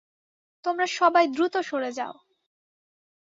তোমরা সবাই দ্রুত সরে যাও।